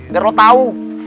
biar lu tau